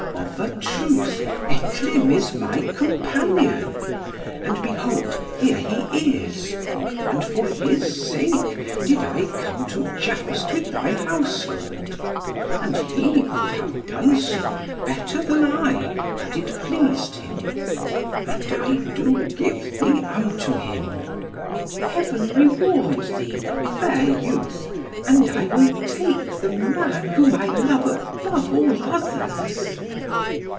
"Of a truth, Etlym is my companion; and behold here he is, and for his sake did I come to joust with thy household. And he could have done so better than I, had it pleased him. And I do give thee unto him." "Heaven reward thee, fair youth, and I will take the man whom I love above all others."